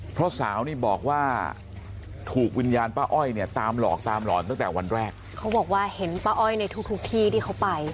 เพราะสาวนี่บอกว่าถูกวิญญาณป้าอ้อยเนี่ยตามหลอกตามหลอนตั้งแต่วันแรกเขาบอกว่าเห็นป้าอ้อยในทุกทุกที่ที่เขาไป